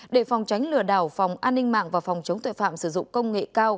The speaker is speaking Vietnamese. để phòng tránh lừa đảo phòng an ninh mạng và phòng chống tội phạm sử dụng công nghệ cao